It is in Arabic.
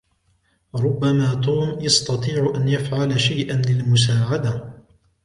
ربما توم يستطيع أن يفعل شيئاً للمساعدة.